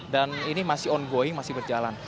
dan ini masih ongoing masih berjalan